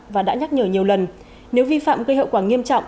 và đã nhắc nhở nhiều lần nếu vi phạm gây hậu quả nghiêm trọng